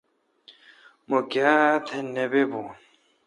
ما کاَتہ نہ بی بون